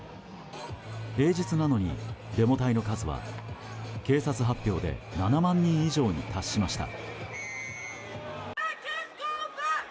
平日なのに、デモ隊の数は警察発表で７万人以上に達しました。